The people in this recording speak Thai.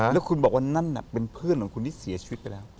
แล้วคุณบอกว่านั่นน่ะเป็นเพื่อนของคุณที่เสียชีวิตไปแล้ว